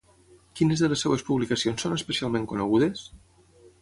Quines de les seves publicacions són especialment conegudes?